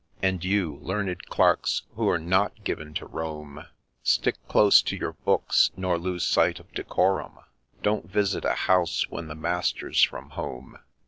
And you, learned Clerks, who're not given to roam, Stick close to your books, nor lose sight of decorum ; Don't visit a house when the master 's from home